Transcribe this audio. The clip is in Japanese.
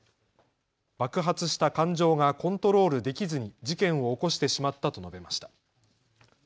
爆発した感情がコントロールできずに事件を起こしてしまったと述べました。